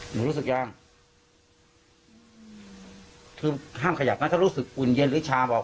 รู้สึกยังคือห้ามขยับนะถ้ารู้สึกอุ่นเย็นหรือชาบอก